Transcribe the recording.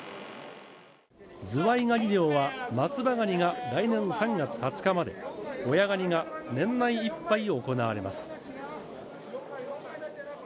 ズワイガニ漁は松葉ガニが来年３月２０日まで、親ガニが年内いっぱい行われます。